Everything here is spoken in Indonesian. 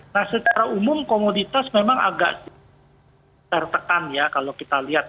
nah secara umum komoditas memang agak tertekan ya kalau kita lihat